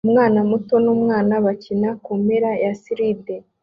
Umwana muto n'umwana bakina kumpera ya slide